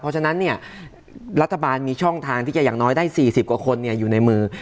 เพราะฉะนั้นเนี่ยรัฐบาลมีช่องทางที่จะอย่างน้อยได้๔๐กว่าคนอยู่ในมือ